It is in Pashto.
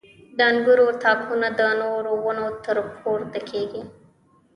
• د انګورو تاکونه د نورو ونو ته پورته کېږي.